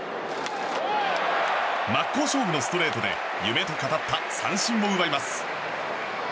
真っ向勝負のストレートで夢と語った三振を奪います。